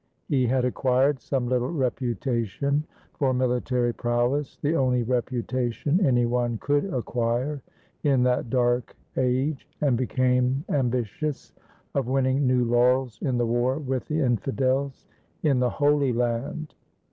He had acquired some little reputation for military prowess, the only reputation any one could acquire in that dark age, and became ambitious of winning new laurels in the war with the infidels in the Holy Land.